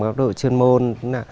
góc độ chuyên môn